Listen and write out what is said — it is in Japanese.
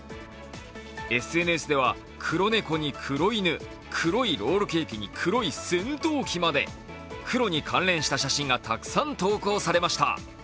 ＳＮＳでは黒猫に黒犬、黒いロールケーキに黒い戦闘機まで、黒に関連した写真がたくさん投稿されました。